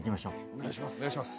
お願いします。